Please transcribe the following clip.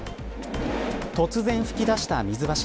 突然、噴き出した水柱。